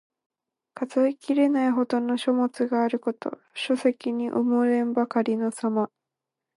数えきれないほどの書物があること。書籍に埋もれんばかりのさま。